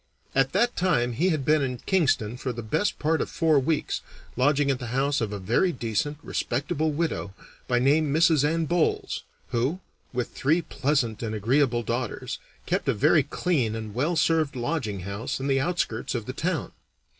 At that time he had been in Kingston for the best part of four weeks, lodging at the house of a very decent, respectable widow, by name Mrs. Anne Bolles, who, with three pleasant and agreeable daughters, kept a very clean and well served lodging house in the outskirts of the town.